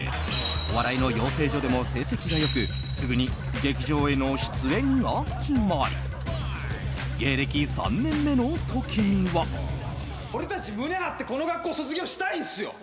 お笑いの養成所でも成績が良くすぐに劇場への出演が決まり俺たち胸張ってこの学校卒業したいんすよ！